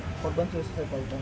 korban itu saya paham